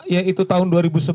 yaitu tahun dua ribu sebelas